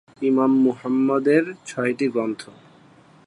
ইমাম মুহাম্মদ এর ছয়টি গ্রন্থ।